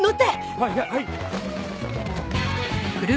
はいはい！